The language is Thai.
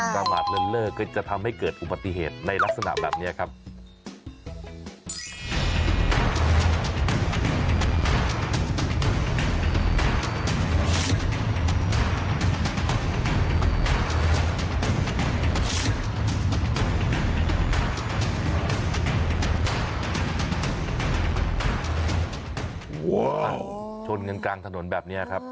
ประมาทเลินเลิกก็จะทำให้เกิดอุบัติเหตุในลักษณะแบบนี้ครับ